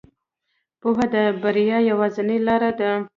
پوهه د بریا یوازینۍ لاره ده.